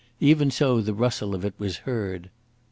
Even so, the rustle of it was heard.